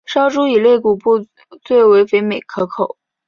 烧猪以肋骨部最为肥美可口。